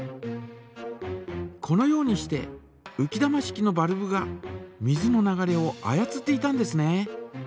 このようにしてうき玉式のバルブが水の流れを操っていたんですね。